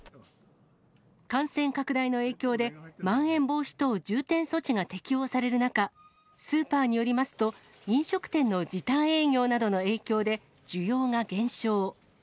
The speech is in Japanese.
感染拡大の影響で、まん延防止等重点措置が適用される中、スーパーによりますと、飲食店の時短営業などの影響で、需要が減少。